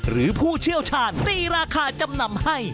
ผู้เชี่ยวชาญตีราคาจำนำให้